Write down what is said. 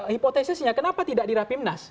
hipotesisnya kenapa tidak di rapimnas